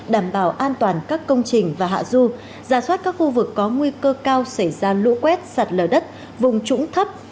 đảm bảo an toàn các công trình và hạ du giả soát các khu vực có nguy cơ cao xảy ra lũ quét sạt lở đất vùng trũng thấp